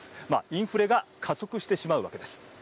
インフレが加速してしまうわけです。